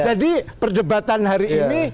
jadi perdebatan hari ini